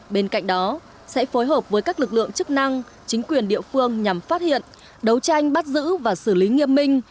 bên cạnh đó sẽ phối hợp với các lực lượng chức năng chính quyền địa phương nhằm phát hiện đấu tranh bắt giữ và xử lý nghiêm minh